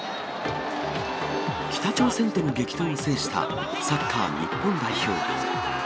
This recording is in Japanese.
北朝鮮との激闘を制したサッカー日本代表。